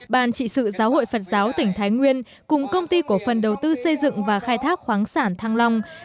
ban trị sự giáo hội phật giáo tỉnh thái nguyên cùng công ty cổ phần đầu tư xây dựng và khai thác khoáng sản thăng long